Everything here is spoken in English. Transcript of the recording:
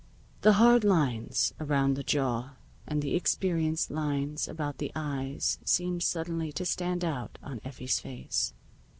The hard lines around the jaw and the experienced lines about the eyes seemed suddenly to stand out on Effie's face.